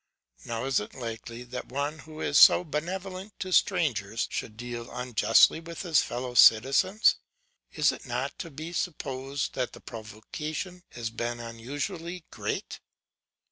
Now is it likely that one who is so benevolent to strangers should deal unjustly with his fellow citizens? is it not to be supposed that the provocation has been unusually great?